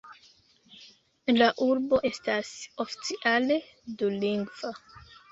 La urbo estas oficiale dulingva.